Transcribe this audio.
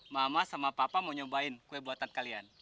mama sama papa mau nyobain kue buatan kalian